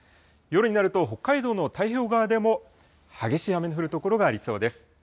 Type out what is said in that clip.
夜になると北海道の太平洋側でも激しい雨の降る所がありそうです。